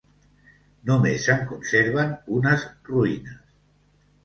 Només se'n conserven unes ruïnes.